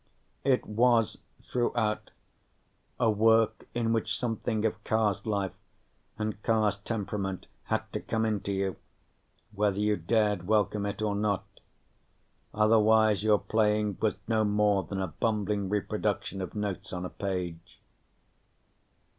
It was, throughout, a work in which something of Carr's life and Carr's temperament had to come into you, whether you dared welcome it or not; otherwise, your playing was no more than a bumbling reproduction of notes on a page.